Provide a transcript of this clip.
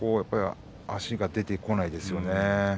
足が出てこないですよね。